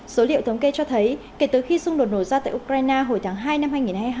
số liệu thống kê cho thấy kể từ khi xung đột nổ ra tại ukraine hồi tháng hai năm hai nghìn hai mươi hai